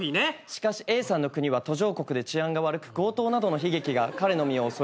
しかしＡさんの国は途上国で治安が悪く強盗などの悲劇が彼の身を襲います。